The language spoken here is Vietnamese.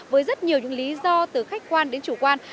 với rất nhiều những lý do từ khách quan đến chủ quan